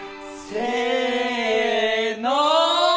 せの！